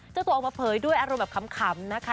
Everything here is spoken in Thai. เจ้าตัวออกมาเผยด้วยอารมณ์แบบขำนะคะ